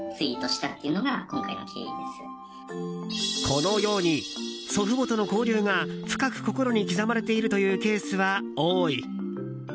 このように、祖父母との交流が深く心に刻まれているというケースは多い。